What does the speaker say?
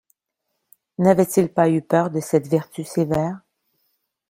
N'avait-il pas eu peur de cette vertu sévère?